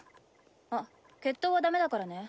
あっ決闘はダメだからね。